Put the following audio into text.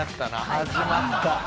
始まった。